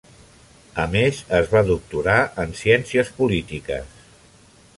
A més es va doctorar en ciències polítiques.